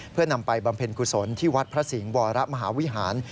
เพื่อนำไปบำเพ็ญกุศลที่วัดพระสิงห์วรมหาวิหาร